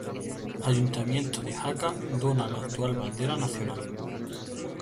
Ayuntamiento de Jaca dona la actual Bandera Nacional.